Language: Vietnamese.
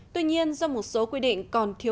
tuy nhiên do một số quy định còn thiếu